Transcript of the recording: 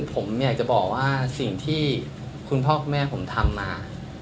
ผมอยากจะบอกว่าสิ่งที่คุณพ่อคุณแม่ผมทำมา